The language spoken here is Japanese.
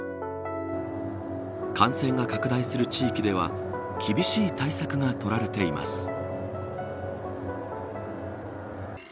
感染が拡大する地域では厳しい対策が取られています。